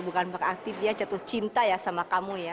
bukan berarti dia jatuh cinta ya sama kamu ya